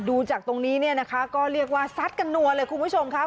ดูจากตรงนี้เนี่ยนะคะก็เรียกว่าซัดกันนัวเลยคุณผู้ชมครับ